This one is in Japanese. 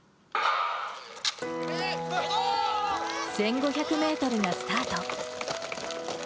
１５００メートルがスタート。